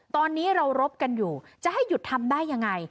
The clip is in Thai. ตอนนี้เรารบกันอยู่จะให้หยุดทำได้ยังไง